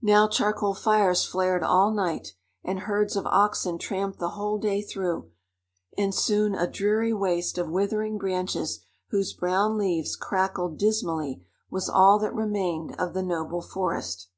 Now charcoal fires flared all night, and herds of oxen tramped the whole day through, and soon a dreary waste of withering branches whose brown leaves crackled dismally was all that remained of the noble forest.